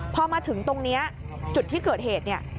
พอมาถึงตรงนี้จุดที่เกิดเหตุเนี่ย